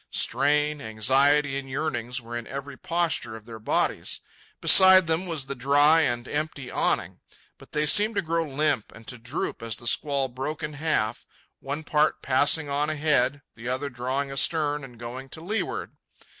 Strain, anxiety, and yearning were in every posture of their bodies. Beside them was the dry and empty awning. But they seemed to grow limp and to droop as the squall broke in half, one part passing on ahead, the other drawing astern and going to leeward.